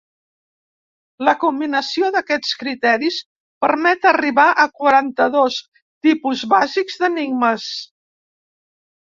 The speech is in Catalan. La combinació d'aquests criteris permet arribar a quaranta-dos tipus bàsics d'enigmes.